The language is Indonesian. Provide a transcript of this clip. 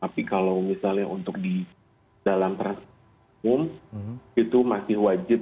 tapi kalau misalnya untuk di dalam transportasi umum itu masih wajib